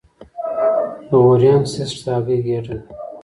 د اووریان سیسټ د هګۍ ګېډه ده.